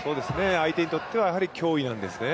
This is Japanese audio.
相手にとっては、やはり脅威なんですね。